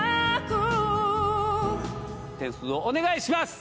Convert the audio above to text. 点数をお願いします！